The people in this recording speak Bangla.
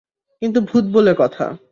কিন্তু ভূত বলে কথা!